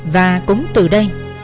và cũng từ đây